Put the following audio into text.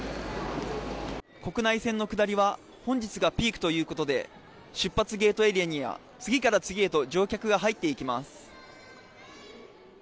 国内線の下りは本日がピークということで出発ゲートエリアには次から次へと乗客が入っていきます。